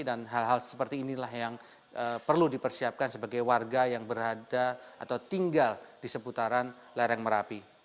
dan hal hal seperti inilah yang perlu dipersiapkan sebagai warga yang berada atau tinggal di seputaran lereng merapi